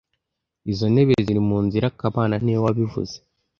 Izo ntebe ziri munzira kamana niwe wabivuze